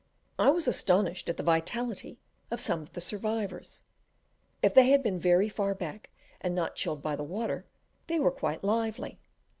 I was astonished at the vitality of some of the survivors; if they had been very far back and not chilled by the water, they were quite lively.